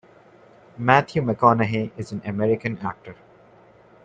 Matthew McConaughey is an American actor.